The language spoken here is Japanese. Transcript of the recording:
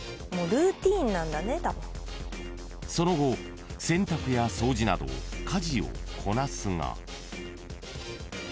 ［その後洗濯や掃除など家事をこなすが］